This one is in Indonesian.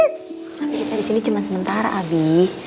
tapi kita disini cuman sementara abi